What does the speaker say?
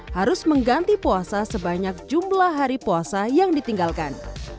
harus mengganti puasa sebanyak jumlah hari puasa yang ditinggalkan